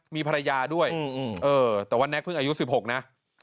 มีภรรยาด้วยแต่ว่าแก๊กเพิ่งอายุ๑๖นะ